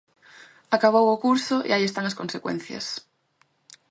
Acabou o curso e aí están as consecuencias.